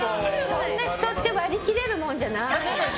そんな人って割り切れるもんじゃないから。